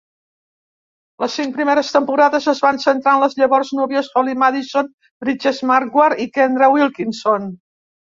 Les cinc primeres temporades es van centrar en les llavors núvies Holly Madison, Bridget Marquardt i Kendra Wilkinson.